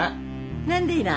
何でいな？